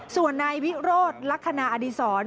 ส่วนนายวิโรธรัฐคณาอดิสร